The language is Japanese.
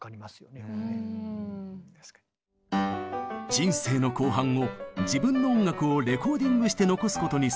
人生の後半を自分の音楽をレコーディングして残すことにささげたグールド。